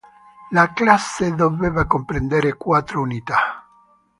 La classe doveva comprendere quattro unità.